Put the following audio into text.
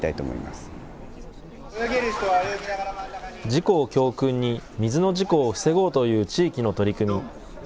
事故を教訓に、水の事故を防ごうという地域の取り組み。